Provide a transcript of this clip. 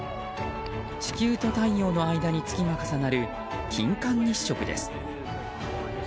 地球と太陽の間に月が重なる金環日食です。